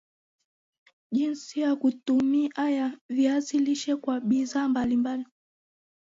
jinsi ya kutumia ya Viazi lishe kuwa bidhaa mbalimbali